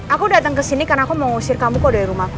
aku dateng kesini karena aku mau ngusir kamu kok dari rumahku